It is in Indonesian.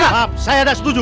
ya saya ada setuju